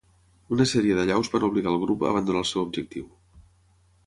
Una sèrie d'allaus van obligar el grup a abandonar el seu objectiu.